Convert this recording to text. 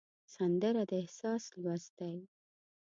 سندره د احساس لوست دی